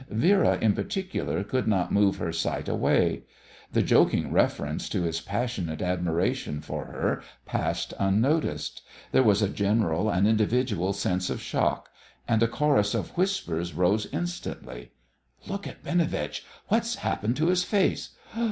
Vera, in particular, could not move her sight away. The joking reference to his passionate admiration for her passed unnoticed. There was a general and individual sense of shock. And a chorus of whispers rose instantly: "Look at Binovitch! What's happened to his face?"